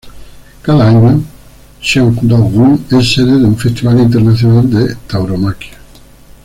Cada año Cheongdo-gun es sede de un festival internacional de la tauromaquia.